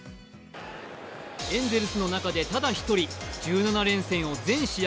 エンゼルスの中でただ１人、１７連戦を全試合